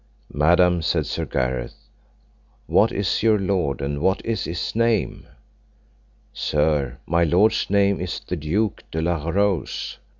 Madam, said Sir Gareth, what is your lord, and what is his name? Sir, my lord's name is the Duke de la Rowse.